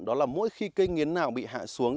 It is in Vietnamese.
đó là mỗi khi cây nghiến nào bị hạ xuống